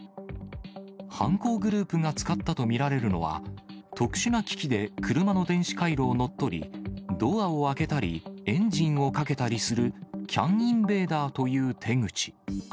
犯行グループが使ったと見られるのは、特殊な機器で車の電子回路を乗っ取り、ドアを開けたり、エンジンをかけたりする、ＣＡＮインベーダーという手口。